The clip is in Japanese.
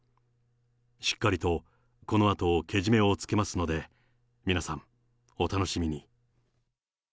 しっかりとこのあとけじめをつけますので、皆さんお楽しみに。